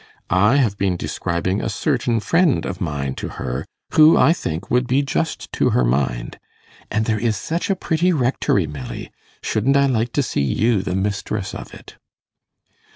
I have been describing a certain friend of mine to her, who, I think, would be just to her mind. And there is such a pretty rectory, Milly; shouldn't I like to see you the mistress of it?